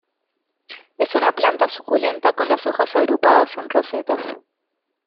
Es una planta suculenta con las hojas agrupadas en rosetas.